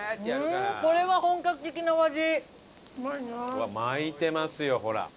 うわっ巻いてますよほら。